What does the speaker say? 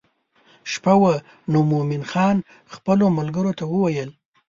شپه وه نو مومن خان خپلو ملګرو ته وویل.